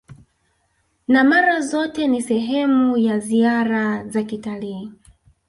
na mara zote ni sehemu ya ziara za kitalii